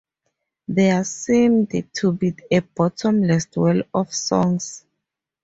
There seemed to be a bottomless well of songs.